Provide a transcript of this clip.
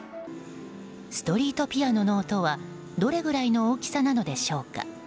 ストリートピアノの音はどれぐらいの大きさなのでしょうか。